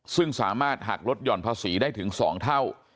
ซึ่งสามารถหักลดหย่อนภาษีได้ถึง๒เท่า